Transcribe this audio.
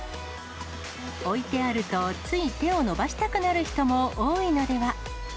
置いてあると、つい手を伸ばしたくなる人も多いのでは。